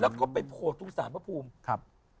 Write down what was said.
แล้วก็ไปโผล่ทุกศาลมะภูมิ